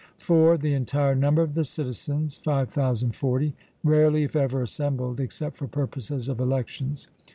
(4) The entire number of the citizens (5040) rarely, if ever, assembled, except for purposes of elections.